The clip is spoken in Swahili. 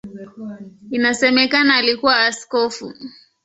Inasemekana alikuwa askofu.